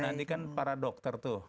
tapi nanti kan para dokter tuh